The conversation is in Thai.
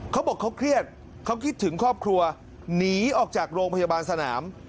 เขาบอกเขาเครียดเขาคิดถึงครอบครัวหนีออกจากโรงพยาบาลสนาม